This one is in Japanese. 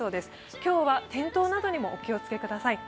今日は転倒などにもお気をつけください。